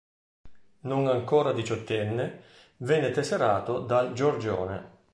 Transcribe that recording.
Non ancora diciottenne venne tesserato dal Giorgione.